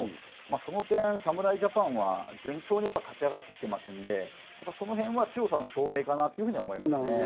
その点、侍ジャパンは順調に勝ち上がってきていますので、その辺は強さの証明かなと思いますね。